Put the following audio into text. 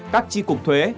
các chi cục thuế